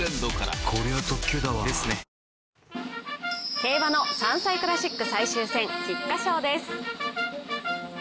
競馬の３歳クラシック最終戦、菊花賞です。